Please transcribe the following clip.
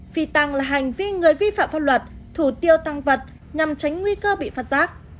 phi tang là hành vi người vi phạm pháp luật thủ tiêu tăng vật nhằm tránh nguy cơ bị phát giác